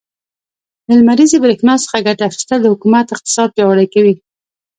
له لمريزې برښنا څخه ګټه اخيستل, د حکومت اقتصاد پياوړی کوي.